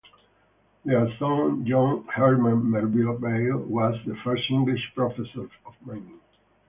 Their son John Herman Merivale was the first English professor of mining.